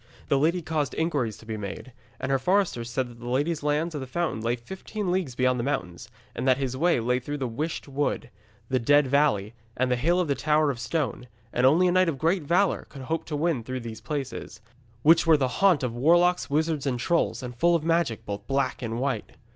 The lady caused inquiries to be made, and her foresters said that the lady's lands of the fountain lay fifteen leagues beyond the mountains, and that his way lay through the Wisht Wood, the Dead Valley, and the Hill of the Tower of Stone, and only a knight of great valour could hope to win through these places, which were the haunt of warlocks, wizards, and trolls, and full of magic, both black and white.